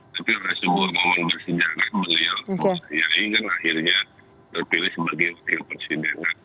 tapi rasulullah momen bersihjana beliau bersihahi kan akhirnya terpilih sebagai presiden